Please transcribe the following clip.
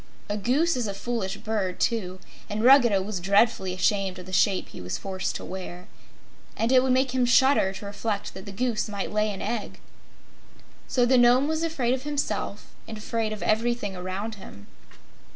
A goose is a foolish bird, too, and Ruggedo was dreadfully ashamed of the shape he was forced to wear. And it would make him shudder to reflect that the Goose might lay an egg! So the Nome was afraid of himself and afraid of everything around him.